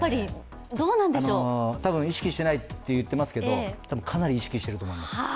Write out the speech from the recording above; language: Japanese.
多分、意識してないと言ってますけど、かなり意識していると思います。